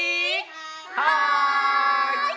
はい！